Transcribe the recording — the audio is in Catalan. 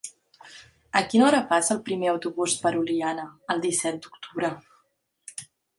A quina hora passa el primer autobús per Oliana el disset d'octubre?